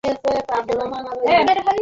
উনি আমার বাবা হন।